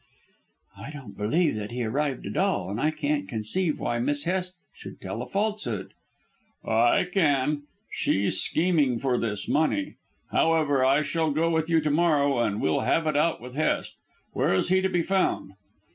"I don't believe that he arrived at all, and I can't conceive why Miss Hest should tell a falsehood." "I can. She is scheming for this money. However, I shall go with you to morrow and we'll have it out with Hest. Where is he to be found?"